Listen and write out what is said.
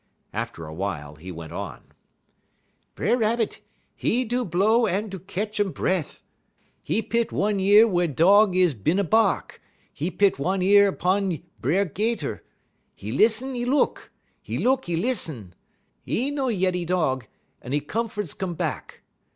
After awhile he went on: "B'er Rabbit, 'e do blow un 'e do ketch urn bre't'. 'E pit one year wey Dog is bin a bark; 'e pit one eye 'pon B'er 'Gater. 'E lissen, 'e look; 'e look, 'e lissen. 'E no yeddy Dog, un 'e comforts come back.